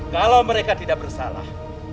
kalau mereka tidak bersalah